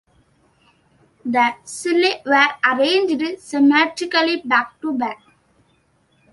The cellae were arranged symmetrically back-to-back.